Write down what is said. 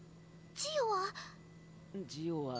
ジオは今。